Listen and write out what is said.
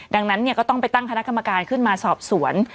ดังนั้นก็ต้องไปตั้งคณะกรรมการขึ้นมาสอบสวน